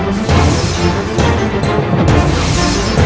aku akan memibah adiknya